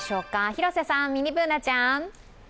広瀬さん、ミニＢｏｏｎａちゃん。